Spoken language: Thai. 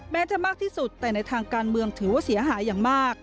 จะมากที่สุดแต่ในทางการเมืองถือว่าเสียหายอย่างมาก